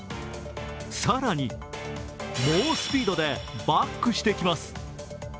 更に、猛スピードでバックしてきます。